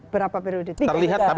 berapa periode terbangnya